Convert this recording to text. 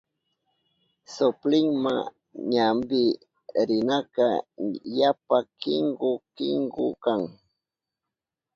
Soplinma ñampi rinaka yapa kinku kinku kan.